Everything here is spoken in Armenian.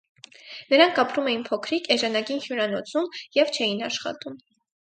Նրանք ապրում էին փոքրիկ, էժանագին հյուրանոցում և չէին աշխատում։